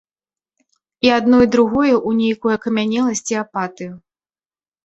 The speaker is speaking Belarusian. І адно і другое ў нейкую акамянеласць і апатыю.